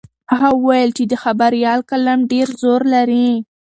هغه وویل چې د خبریال قلم ډېر زور لري.